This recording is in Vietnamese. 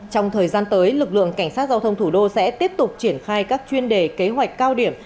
trong thời gian tới lực lượng cảnh sát giao thông thủ đô sẽ tiếp tục triển khai các chuyên đề kế hoạch cao điểm